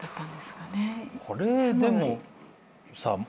これでもさ